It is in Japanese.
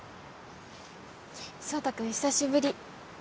壮太君久しぶり。